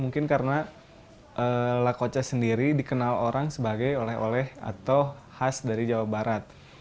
mungkin karena lakoca sendiri dikenal orang sebagai oleh oleh atau khas dari jawa barat